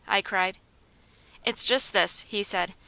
I cried. "It's just this," he said.